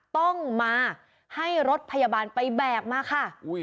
ต้องมาให้รถพยาบาลไปแบกมาค่ะ